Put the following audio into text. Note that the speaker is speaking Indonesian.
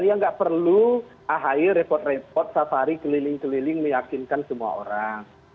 ya nggak perlu ahy repot repot safari keliling keliling meyakinkan semua orang